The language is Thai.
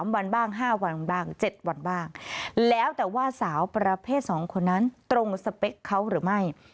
วันบ้าง๕วันบ้าง๗วันบ้างแล้วแต่ว่าสาวประเภท๒คนนั้นตรงสเปคเขาหรือไม่